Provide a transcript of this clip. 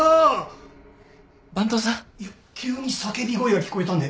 いや急に叫び声が聞こえたんで。